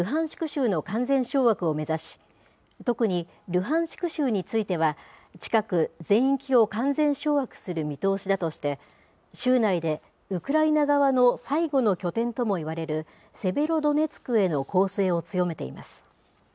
州の完全掌握を目指し、特にルハンシク州については、近く全域を完全掌握する見通しだとして、州内でウクライナ側の最後の拠点ともいわれる、セベロドネツクへの攻勢を強めています。